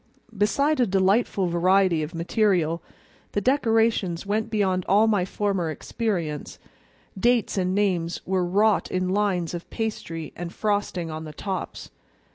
Beside a delightful variety of material, the decorations went beyond all my former experience; dates and names were wrought in lines of pastry and frosting on the tops.